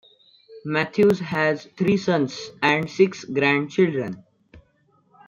Matthews has three sons and six grandchildren.